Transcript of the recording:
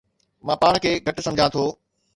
مان پاڻ کي گهٽ سمجهان ٿو